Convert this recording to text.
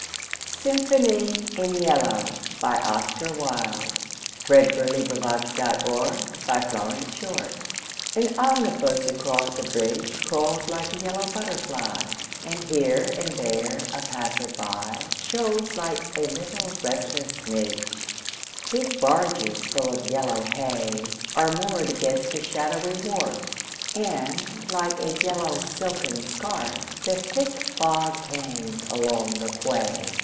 Else moonstruck with music and madness I track him in vain! SYMPHONY IN YELLOW AN omnibus across the bridge Crawls like a yellow butterfly And, here and there, a passer by Shows like a little restless midge. Big barges full of yellow hay Are moored against the shadowy wharf, And, like a yellow silken scarf, The thick fog hangs along the quay.